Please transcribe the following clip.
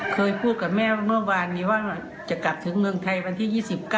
เคยพูดกับแม่เมื่อวานนี้ว่าจะกลับถึงเมืองไทยวันที่๒๙